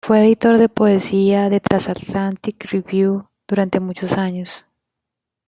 Fue editor de poesía de "Transatlantic Review" durante muchos años.